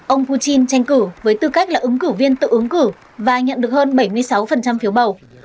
ông putin tranh cử với tư cách là ứng cử viên tự ứng cử và nhận được hơn bảy mươi sáu phiếu bầu